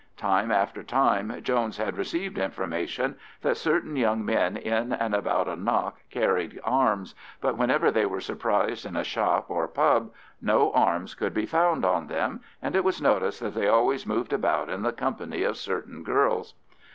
Time after time Jones had received information that certain young men in and about Annagh carried arms, but whenever they were surprised in a shop or pub no arms could be found on them, and it was noticed that they always moved about in the company of certain girls.